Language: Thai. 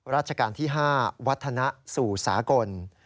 ราชการที่๕วัฒนะสู่สากล